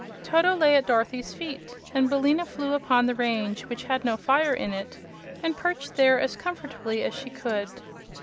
Toto lay at Dorothy's feet and Billina flew upon the range, which had no fire in it, and perched there as comfortably as she could.